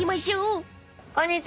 こんにちは。